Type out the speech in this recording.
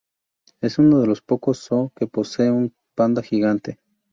Es uno de los pocos zoo que posee un Panda gigante.